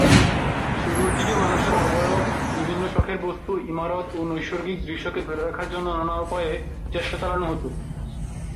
শুরুর দিকে মানুষের অবয়ব, বিভিন্ন শখের বস্তু, ইমারত ও নৈসর্গিক দৃশ্যকে ধরে রাখার জন্য নানা উপায়ে চেষ্টা চালানো হতো।